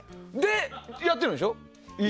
やってるんでしょ？